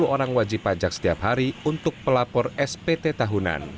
dua puluh orang wajib pajak setiap hari untuk pelapor spt tahunan